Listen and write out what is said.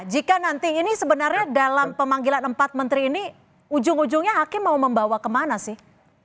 jika nanti ini sebenarnya dalam pemanggilan empat menteri ini ujung ujungnya hakim mau membawa kemana sih